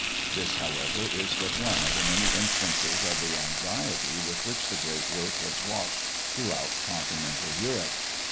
This, however, is but one of the many instances of the anxiety with which the great work was watched throughout continental Europe.